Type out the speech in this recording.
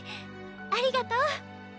ありがとう。